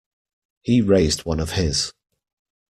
He raised one of his.